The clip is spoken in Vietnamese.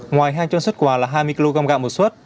ngoài hai trăm linh xuất quà là hai mươi kg gạo một xuất